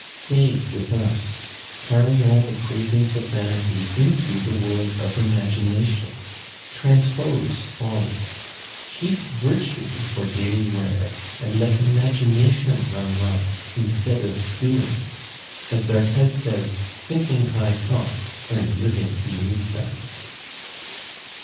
Stay with us. Carry all the cravings of vanity into the world of imagination. Transpose folly. Keep virtue for daily wear, and let imagination run riot, instead of doing, as d'Arthez says, thinking high thoughts and living beneath them."